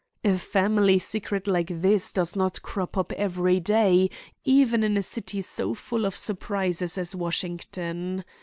"A family secret like this does not crop up every day even in a city so full of surprises as Washington.